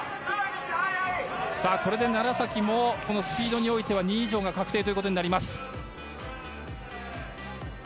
これで楢崎もスピードにおいて２位以上が確定となります。